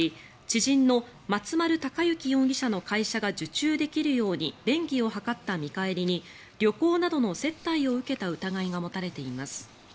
知人の松丸隆行容疑者の会社が受注できるように便宜を図った見返りに旅行などの接待を受けた疑いが持たれています。